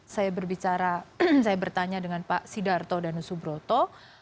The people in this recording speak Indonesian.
saya bertanya dengan pak sidarto dan usubroto